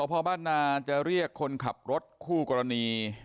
พอบ้านนาจะเรียกคนขับรถคู่กรณี